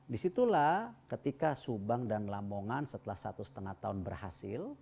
disitulah ketika subang dan lamongan setelah satu setengah tahun berhasil